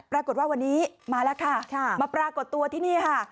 ปรากฏว่าวันนี้มาแล้วค่ะมาปรากฏตัวที่นี่ค่ะ